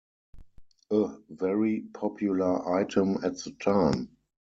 A very popular item at the time.